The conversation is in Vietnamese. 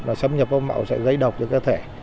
nó xâm nhập vào mạo sẽ gây độc cho cơ thể